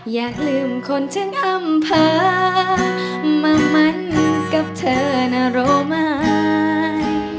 อยากลืมคนที่ง่ำเผามามั้นกับเธอน่าโรมัน